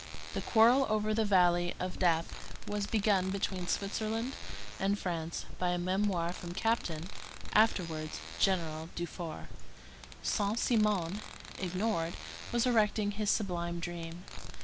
The quarrel over the valley of Dappes was begun between Switzerland and France by a memoir from Captain, afterwards General Dufour. Saint Simon, ignored, was erecting his sublime dream.